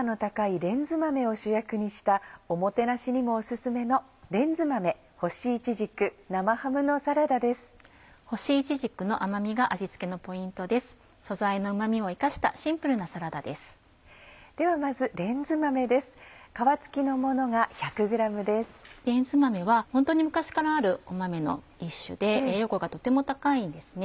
レンズ豆はホントに昔からある豆の一種で栄養価がとても高いんですね。